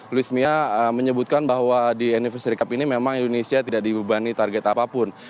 luis mia menyebutkan bahwa di anniversary cup ini memang indonesia tidak dibebani target apapun